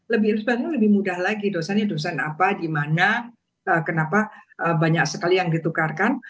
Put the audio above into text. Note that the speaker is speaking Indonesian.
lebih mudah lagi dosennya dosen apa di mana kenapa banyak sekali yang ditukarkan